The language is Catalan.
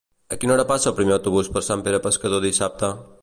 A quina hora passa el primer autobús per Sant Pere Pescador dissabte?